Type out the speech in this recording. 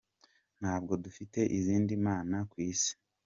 Ntabwo dufite izindi mana ku isi.